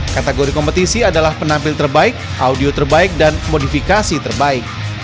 kategori kompetisi adalah penampil terbaik audio terbaik dan modifikasi terbaik